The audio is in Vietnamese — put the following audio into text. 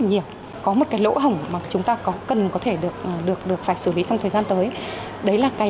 nhiều có một cái lỗ hổng mà chúng ta cần có thể được phải xử lý trong thời gian tới đấy là cái